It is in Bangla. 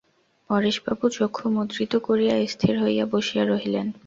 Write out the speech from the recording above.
পরেশবাবু চক্ষু মুদ্রিত করিয়া স্থির হইয়া বসিয়া রহিলেন।